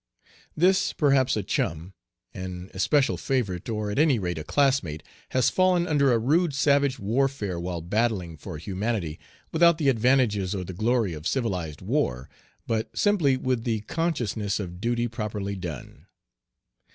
This, perhaps a chum, an especial favorite, or at any rate a classmate, has fallen under a rude savage warfare while battling for humanity, without the advantages or the glory of civilized war, but simply with the consciousness of duty properly done.